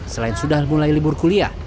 selain sudah mulai libur kuliah